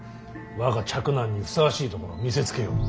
我が嫡男にふさわしいところを見せつけよう。